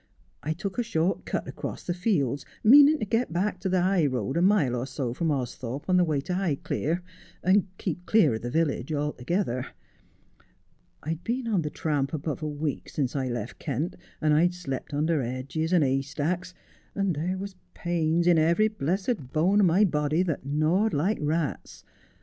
I took a short cut across the fields, meanin' to get back to the high road a mile or so from Austhorpe on the way to Highclere, and keep clear of the village altogether. I'd been on the tramp above a week since I left Kent, and I'd slept under 'edges and 'ay stacks, and there was pains in every blessed bone o' my body that gnawed like rats.